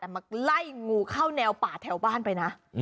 แต่มาไล่งูเข้าแนวป่าแถวบ้านไปนะ